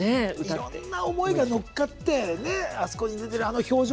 いろんな思いが乗っかってあそこに出てる、あの表情。